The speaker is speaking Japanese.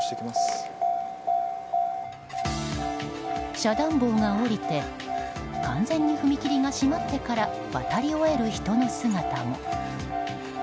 遮断棒が下りて完全に踏切が閉まってから渡り終える人の姿も。